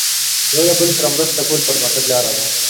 یو له بل سره مرسته کول د پرمختګ لاره ده.